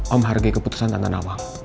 om hargai keputusan tante nawang